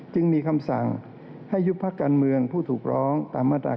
จึงมีคำสั่งให้ยุบพักการเมืองผู้ถูกร้องตามมาตรา๙